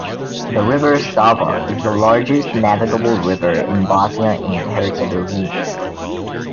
The river Sava is the largest navigable river in Bosnia and Herzegovina.